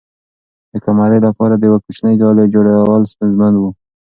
د قمرۍ لپاره د یوې کوچنۍ ځالۍ جوړول ستونزمن و.